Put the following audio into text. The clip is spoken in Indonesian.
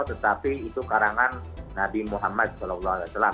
tetapi itu karangan nabi muhammad saw